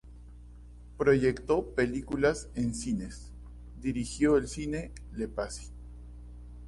Proyectó películas en cines, dirigió el cine "Le Passy".